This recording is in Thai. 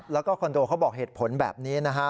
แล้วก็คอนโดเขาบอกเหตุผลแบบนี้นะฮะ